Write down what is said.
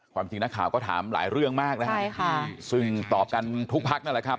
จริงนักข่าวก็ถามหลายเรื่องมากนะฮะใช่ค่ะซึ่งตอบกันทุกพักนั่นแหละครับ